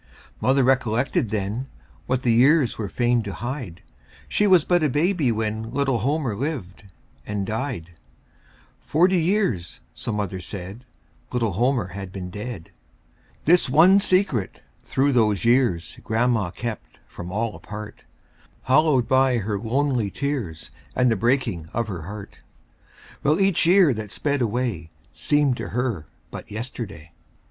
Mother recollected then What the years were fain to hide She was but a baby when Little Homer lived and died; Forty years, so mother said, Little Homer had been dead. This one secret through those years Grandma kept from all apart, Hallowed by her lonely tears And the breaking of her heart; While each year that sped away Seemed to her but yesterday.